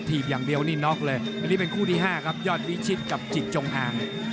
ถีบอย่างเดียวนี่น็อกเลยอันนี้เป็นคู่ที่๕ครับยอดวิชิตกับจิตจงอาง